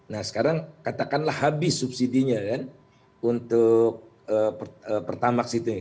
nah sekarang katakanlah habis subsidinya kan untuk pertamax itu